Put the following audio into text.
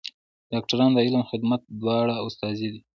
ډاکټران د علم او خدمت دواړو استازي دي.